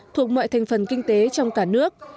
thuộc mọi thành phần kinh tế trong cả nước